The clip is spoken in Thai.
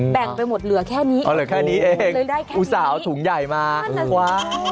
ต้องก้นคอเลยอะ